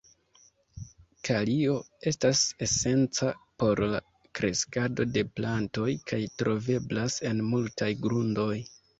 Kalio estas esenca por la kreskado de plantoj kaj troveblas en multaj grundoj.